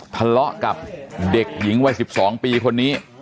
ทะเลาะกับเด็กหญิงวัย๑๒ปีคนนี้